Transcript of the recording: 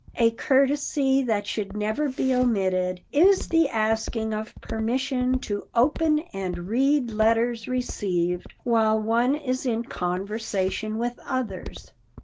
A courtesy that should never be omitted is the asking of permission to open and read letters received while one is in conversation with others.